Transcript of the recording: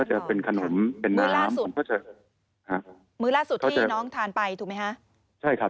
มื้อล่าสุดที่น้องทานไปถูกไหมฮะ